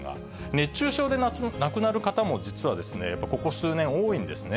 熱中症で亡くなる方も、実はやっぱここ数年、多いんですね。